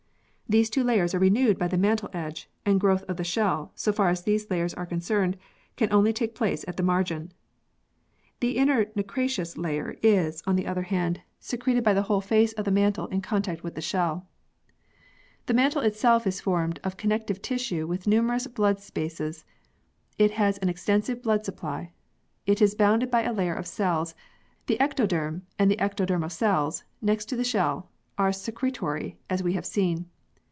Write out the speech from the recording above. These two layers are renewed by the mantle edge, and growth of the shell, so far as these layers are concerned, can only take place at the margin. The inner nacreous layer is, on the other hand, in] THE PEARL OYSTER 27 secreted by the whole face of the mantle in contact with the shell. The mantle itself is formed of connective tissue with numerous blood spaces it has an extensive blood supply. It is bounded by a layer of cells, the ectoderm, and the ectodermal cells, next to the shell, are secretory, as we have seen.